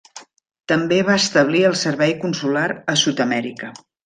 També va establir el servei consular a Sud-amèrica.